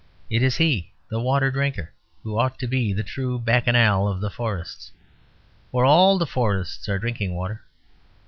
It is he, the water drinker, who ought to be the true bacchanal of the forests; for all the forests are drinking water.